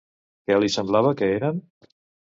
Què li semblava que eren?